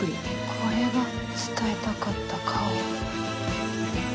これが伝えたかった顔。